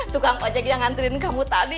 tukang ojek yang ngantuin kamu tadi